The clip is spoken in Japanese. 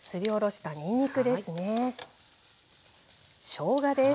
しょうがです。